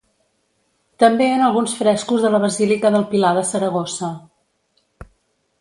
També en alguns frescos de la Basílica del Pilar de Saragossa.